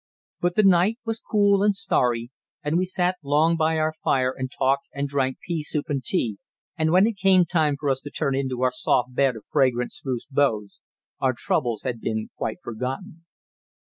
But the night was cool and starry, and we sat long by our fire and talked and drank pea soup and tea, and when it came time for us to turn in to our soft bed of fragrant spruce boughs, our troubles had been quite forgotten.